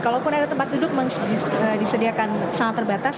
kalaupun ada tempat duduk disediakan sangat terbatas